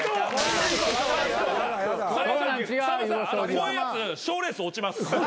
こういうやつ賞レース落ちます。